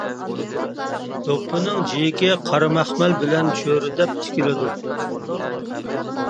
دوپپىنىڭ جىيىكى قارا مەخمەل بىلەن چۆرىدەپ تىكىلىدۇ.